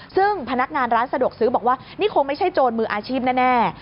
ซึ่งพนักงานร้านสะดวกซื้อบอกว่านี่คงไม่ใช่โจรมืออาชีพแน่